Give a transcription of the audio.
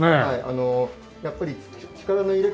あのやっぱり力の入れ